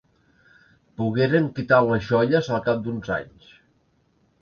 Pogueren quitar les joies al cap d'uns anys.